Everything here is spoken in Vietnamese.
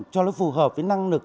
cho nó phù hợp với năng lực